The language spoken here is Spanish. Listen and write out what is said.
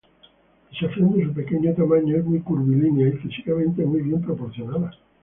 Desafiando su pequeño tamaño, es muy curvilínea y físicamente muy bien proporcionada.